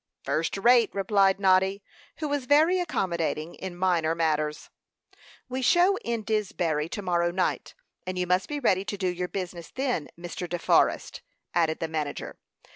"First rate," replied Noddy, who was very accommodating in minor matters. "We show in Disbury to morrow night, and you must be ready to do your business then, Mr. De Forrest," added the manager.